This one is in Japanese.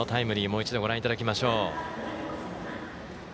もう一度、ご覧いただきましょう。